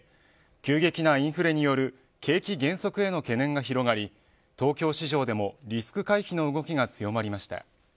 急激なインフレによる景気減速への懸念が広がり東京市場でもリスク回避の動きが強まりました。